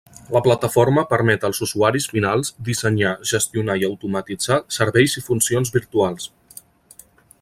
La plataforma permet als usuaris finals dissenyar, gestionar i automatitzar serveis i funcions virtuals.